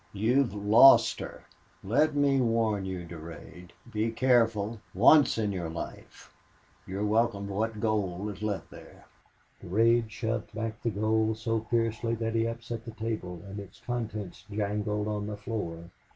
"You have LOST her... Let me warn you, Durade. Be careful, once in your life!... You're welcome to what gold is left there." Durade shoved back the gold so fiercely that he upset the table, and its contents jangled on the floor.